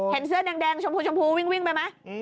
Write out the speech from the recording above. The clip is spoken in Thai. เห็นเสื้อแดงชมพูวิ่งไปไหม